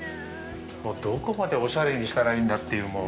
どこまでおしゃれにしたらいいんだっていう。